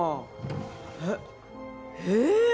えっええ？